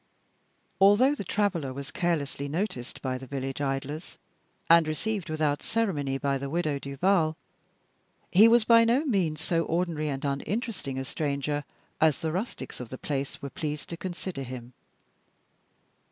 Although the traveler was carelessly noticed by the village idlers, and received without ceremony by the Widow Duval, he was by no means so ordinary and uninteresting a stranger as the rustics of the place were pleased to consider him.